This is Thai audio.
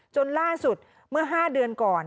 จนล่าสุดเมื่อ๕เดือนก่อน